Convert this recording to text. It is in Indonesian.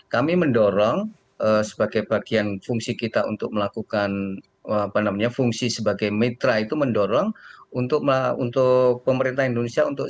kami mendorong sebagai bagian fungsi kita untuk melakukan fungsi sebagai mitra itu mendorong untuk pemerintah indonesia untuk